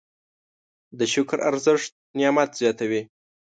د شکر ارزښت نعمت زیاتوي.